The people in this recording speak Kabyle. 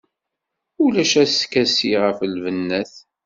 Ulac askasi ɣef lbennat.